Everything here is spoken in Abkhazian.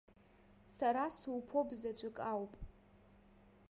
Сара суԥоуп заҵәык ауп.